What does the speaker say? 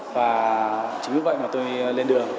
và chính vì vậy mà tôi lên đường